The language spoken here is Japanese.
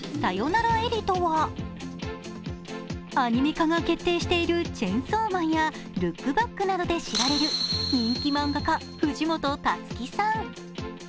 アニメ化が決定している「チェンソーマン」や「ルックバック」などで知られる人気漫画家、藤本タツキさん。